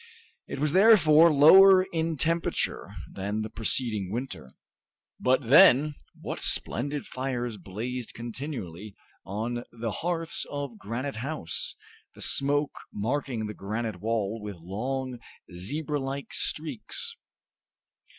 It was therefore lower in temperature than the preceding winter. But then, what splendid fires blazed continually on the hearths of Granite House, the smoke marking the granite wall with long, zebra like streaks!